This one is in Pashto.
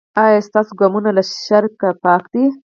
ایا ستاسو ګامونه له شر پاک دي؟